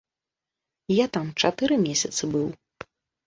Я там чатыры месяцы быў.